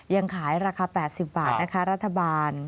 ยังขายราคา๘๐บาทนะคะรัฐบาล